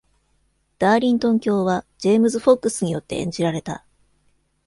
ダーリントン卿はジェームズ・フォックスによって演じられた。